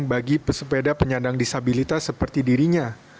bagi pesepeda penyandang disabilitas seperti dirinya